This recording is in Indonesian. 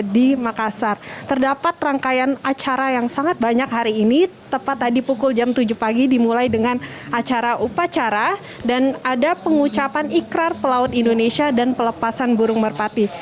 di makassar terdapat rangkaian acara yang sangat banyak hari ini tepat tadi pukul jam tujuh pagi dimulai dengan acara upacara dan ada pengucapan ikrar pelaut indonesia dan pelepasan burung merpati